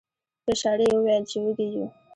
په اشاره یې وویل چې وږي یو.